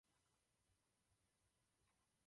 Klenba loubí oproti ostatním domům zasahuje výš.